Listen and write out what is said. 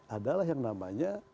adalah yang namanya